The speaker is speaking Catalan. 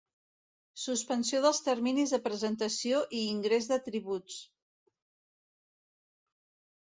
Suspensió dels terminis de presentació i ingrés de tributs.